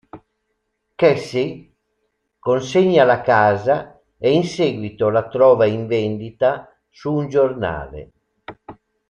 Cassie consegna la casa e in seguito la trova in vendita su un giornale.